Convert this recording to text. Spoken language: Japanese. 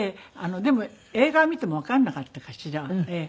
でも映画を見てもわかんなかったかしらええ。